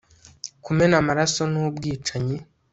kumena amaraso n'ubwicanyi